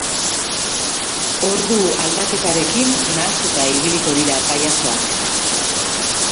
Ordu aldaketarekin nahastuta ibiliko dira pailazoak.